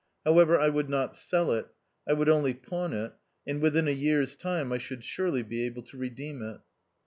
However, I would not sell it ; I would only pawn it, and within a year's time I should surely be able to redeem it.